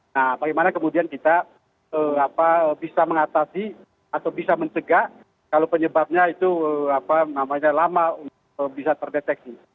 nah bagaimana kemudian kita bisa mengatasi atau bisa mencegah kalau penyebabnya itu lama bisa terdeteksi